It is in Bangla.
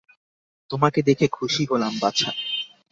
তোমাকে দেখে খুশি হলাম, বাছা।